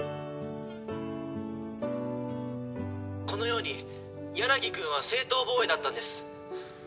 「このように柳くんは正当防衛だったんです」